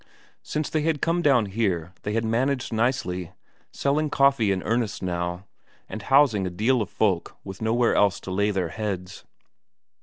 Since they had come down here they had managed nicely, selling coffee in earnest now, and housing a deal of folk with nowhere else to lay their heads.